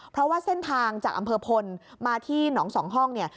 เพราะว่าเส้นทางจากอำเภอพลมาที่หนองสองห้องเนี่ย